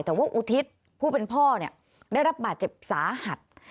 แต่ว่าอุทิศผู้เป็นพ่อเนี่ยได้รับบาดเจ็บสาหัส